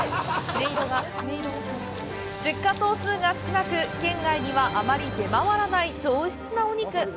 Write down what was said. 出荷頭数が少なく、県外にはあまり出回らない上質なお肉！